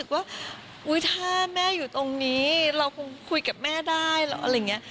ว่าถ้าแม่อยู่ตรงนี้เราคงคุยกับแม่ได้อะไรอย่างนี้